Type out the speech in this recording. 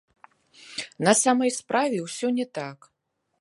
На самай справе, усё не так.